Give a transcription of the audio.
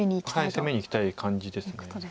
攻めにいきたい感じです。